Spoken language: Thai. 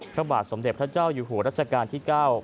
พระบาทสมเด็จพระเจ้าอยู่หัวรัชกาลที่๙